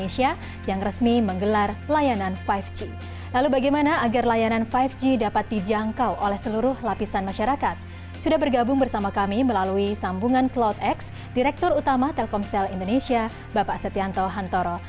sudah bergabung bersama kami melalui sambungan cloudx direktur utama telkomsel indonesia bapak setianto hantoro